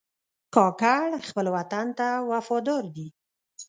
کاکړ خپل وطن ته وفادار دي.